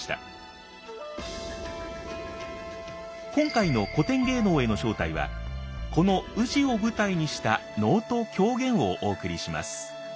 今回の「古典芸能への招待」はこの宇治を舞台にした能と狂言をお送りします。